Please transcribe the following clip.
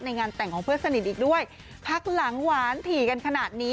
งานแต่งของเพื่อนสนิทอีกด้วยพักหลังหวานถี่กันขนาดนี้